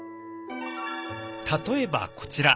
例えばこちら。